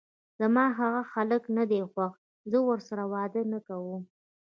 زما هغه هلک ندی خوښ، زه ورسره واده نکوم!